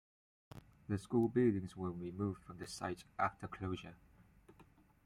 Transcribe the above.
The school buildings were removed from the site after closure.